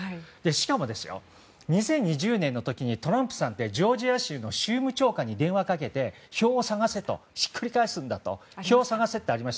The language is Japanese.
しかも、２０２０年の時にトランプさんってジョージア州の州務長官に電話をかけて票を探せ、ひっくり返せと言ったんです。